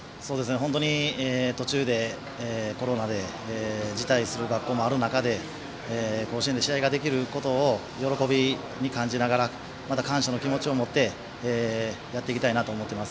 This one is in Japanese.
本当に途中でコロナで辞退する学校もある中で甲子園で試合ができることを喜びに感じながらまた、感謝の気持ちを持ってやっていきたいなと思っています。